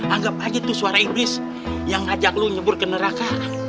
anggap aja tuh suara iblis yang ngajak lo nyebur ke neraka